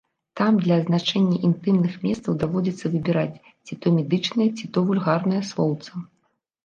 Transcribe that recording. Там для азначэння інтымных месцаў даводзіцца выбіраць ці то медычнае, ці то вульгарнае слоўца.